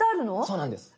そうなんです。